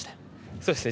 そうですね。